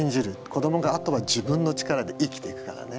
子どもがあとは自分の力で生きていくからね。